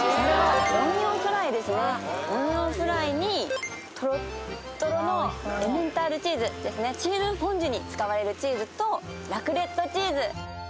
オニオンフライにとろっとろのエメンタールチーズですねチーズフォンデュに使われるチーズとラクレットチーズ